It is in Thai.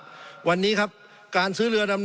สงบจนจะตายหมดแล้วครับ